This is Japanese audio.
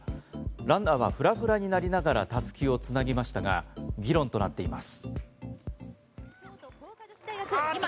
ランダーはフラフラになりながらたすきを繋ぎましたが議論となっています。